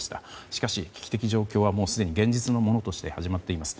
しかし、危機的状況は現実のものとして始まっています。